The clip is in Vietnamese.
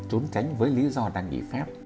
bà t không tránh với lý do đang nghỉ phép